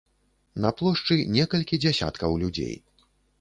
На плошчы некалькі дзясяткаў людзей.